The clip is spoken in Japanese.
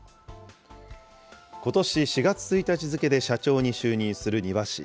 ことし４月１日付で社長に就任する丹羽氏。